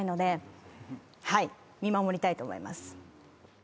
見守りたいと思います。